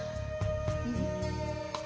うん？